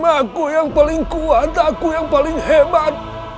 aku yang paling kuat aku yang paling hebat